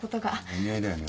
お似合いだよね